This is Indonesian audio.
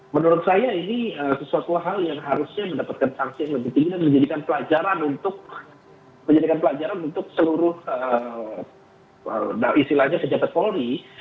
menurut saya ini sesuatu hal yang harusnya mendapatkan sanksi yang lebih tinggi dan menjadikan pelajaran untuk menjadikan pelajaran untuk seluruh istilahnya pejabat polri